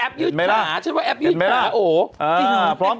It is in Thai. อ้าวไอ้ผีกูจะไปรู้เรื่องก็ได้ยังไง